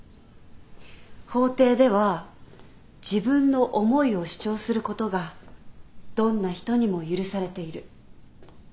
法廷では自分の思いを主張することがどんな人にも許されている